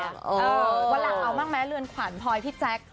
วันหลังเอามากมั้ยเรือนขวานพลอยพี่แจ๊ค